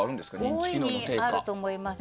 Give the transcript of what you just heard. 大いにあると思います。